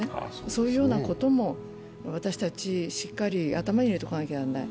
そういうようなことも、私たち、しっかり頭に入れておかなきゃならない。